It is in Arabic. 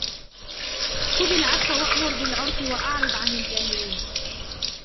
خذ العفو وأمر بالعرف وأعرض عن الجاهلين